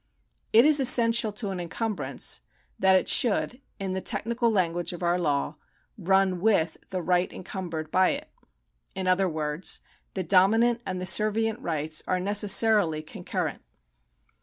It is essential to an encumbrance, that it should, in the technical language of our law, run ivith the right encumbered by it. In other words the dominant and the servient rights are necessarily concurrent.